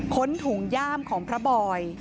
ถุงย่ามของพระบอย